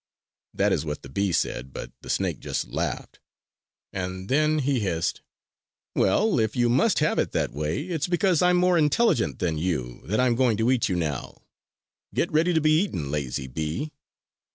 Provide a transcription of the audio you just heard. That is what the bee said; but the snake just laughed; and then he hissed: "Well, if you must have it that way, it's because I'm more intelligent than you that I'm going to eat you now! Get ready to be eaten, lazy bee!"